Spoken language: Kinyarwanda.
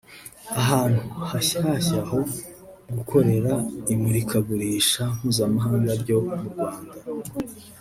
ahantu hashyashya ho gukorera imurikagurisha mpuzamahanga ryo mu Rwanda